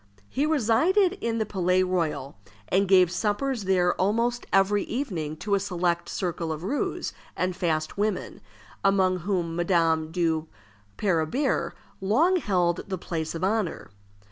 He resided in the Palais Royal, and gave suppers there almost every evening to a select circle of roués and fast women, among whom Madame de Parabère long held the place of honor.